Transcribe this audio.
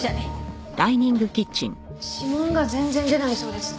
指紋が全然出ないそうです。